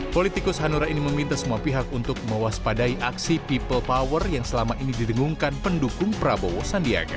politikus hanura ini meminta semua pihak untuk mewaspadai aksi people power yang selama ini didengungkan pendukung prabowo sandiaga